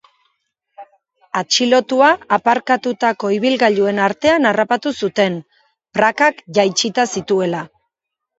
Atxilotua aparkatutako ibilgailuen artean harrapatu zuten, prakak jaitsita zituela.